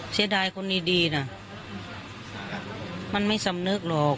เสียดายคนดีนะมันไม่สำนึกหรอก